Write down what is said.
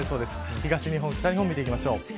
東日本、北日本見ていきましょう。